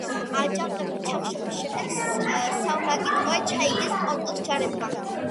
აჯანყების ჩახშობის შემდეგ სავმაკი ტყვედ ჩაიგდეს პონტოს ჯარებმა.